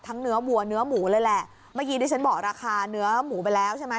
เนื้อวัวเนื้อหมูเลยแหละเมื่อกี้ดิฉันบอกราคาเนื้อหมูไปแล้วใช่ไหม